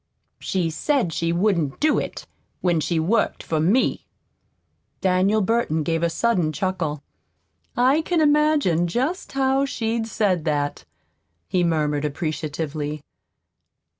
"She said she wouldn't do it when she worked for me." Daniel Burton gave a sudden chuckle. "I can imagine just how she'd say that," he murmured appreciatively.